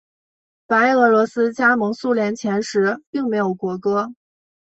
白俄罗斯加盟苏联前时并没有国歌。